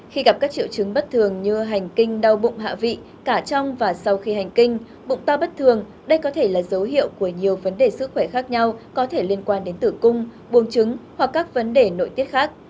khi gặp các triệu chứng bất thường như hành kinh đau bụng hạ vị cả trong và sau khi hành kinh bụng to bất thường đây có thể là dấu hiệu của nhiều vấn đề sức khỏe khác nhau có thể liên quan đến tử cung buông trứng hoặc các vấn đề nội tiết khác